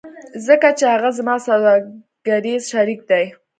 ځکه چې هغه زما سوداګریز شریک دی